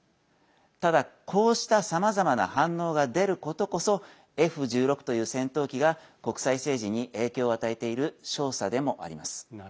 ただ、こうしたさまざまな反応が出ることこそＦ１６という戦闘機が国際政治に影響を与えている証左でもあります。